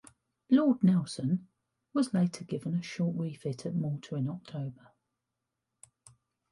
"Lord Nelson" was later given a short refit at Malta in October.